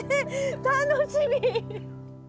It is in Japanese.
楽しみ。